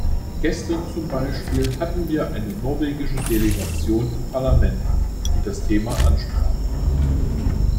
Gestern zum Beispiel hatten wir eine norwegische Delegation im Parlament, die das Thema ansprach.